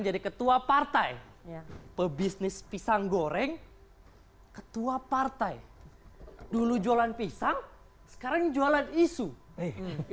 jadi ketua partai pebisnis pisang goreng ketua partai dulu jualan pisang sekarang jualan isu ya